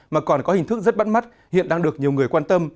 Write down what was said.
mà còn có hình thức rất bắt mắt hiện đang được nhiều người quan tâm